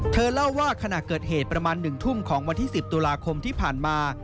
เธอเล่าว่าขณะเกิดเหตุประมาณ๑ทุ่มของวันที่๑๐ตุลาคมที่ผ่านมา